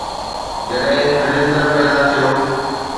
جڏهن خجندر پيدا ٿيو